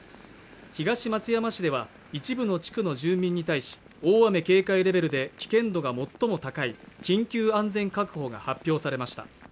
東松山市では一部の地区の住民に対し大雨警戒レベルで危険度が最も高い緊急安全確保が発表されました